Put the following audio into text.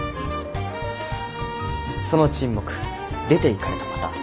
その沈黙出ていかれたパターン。